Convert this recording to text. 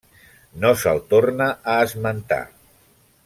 No se'l torna a esmentar.